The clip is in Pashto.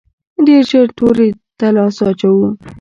ډېر ژر تورې ته لاس اچوو.